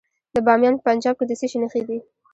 د بامیان په پنجاب کې د څه شي نښې دي؟